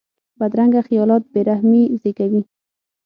بدرنګه خیالات بې رحمي زېږوي